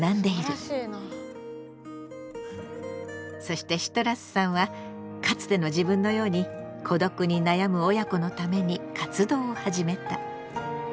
そしてシトラスさんはかつての自分のように孤独に悩む親子のために活動を始めた。